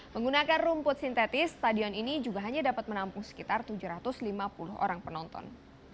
menggunakan rumput sintetis stadion ini juga hanya dapat menampung sekitar tujuh ratus lima puluh orang penonton